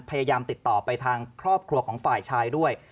พยายามติดต่อไปทางครอบครัวของฝ่ายชายด้วย